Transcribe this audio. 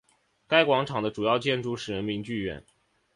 该广场的主要建筑是人民剧院。